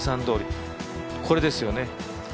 これですよね。